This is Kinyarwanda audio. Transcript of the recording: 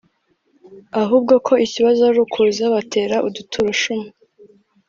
ahubwo ko ikibazo ari ukuza batera udutero shuma